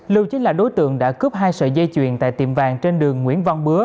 lưu chính là đối tượng đã cướp hai sợi dây chuyền tại tiệm vàng trên đường nguyễn văn bứa